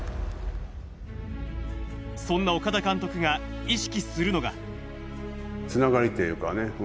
そんな岡田監督が意識するのが。